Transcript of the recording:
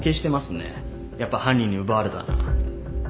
やっぱ犯人に奪われたな。